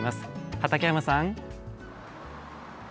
畠山さん。